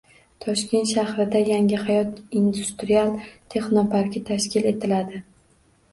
Toshkent shahrida “Yangihayot” industrial texnoparki tashkil etiladi